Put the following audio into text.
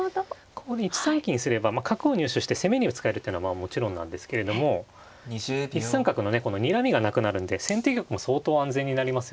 ここで１三金にすれば角を入手して攻めにも使えるっていうのはもちろんなんですけれども１三角のねこのにらみがなくなるんで先手玉も相当安全になります